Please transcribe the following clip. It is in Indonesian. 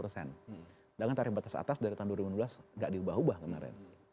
sedangkan tarikh batas atas dari tahun dua ribu dua belas enggak diubah ubah kemarin